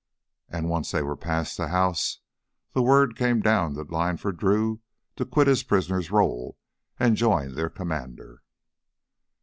And once they were past the house, the word came down the line for Drew to quit his prisoner's role and join their commander.